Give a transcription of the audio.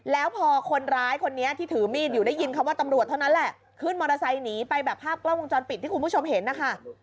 แล้วพอคนร้ายคนนี้ที่ถือมีดอยู่ได้ยินคำว่าตำรวจเท่านั้นแหละขึ้นมอเตอร์ไซค์หนีไปแบบภาพกล้องวงจรปิดที่คุณผู้ชมเห็นนะคะ